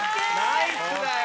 ナイスだよ！